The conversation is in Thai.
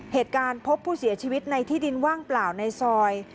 เหตุการณ์พบผู้เสียชีวิตในที่ดินว่างเปล่าในซอย